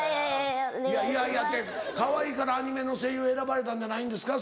「いやいやいや」ってかわいいからアニメの声優選ばれたんじゃないんですか？